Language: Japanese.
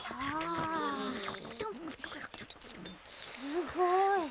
すごい。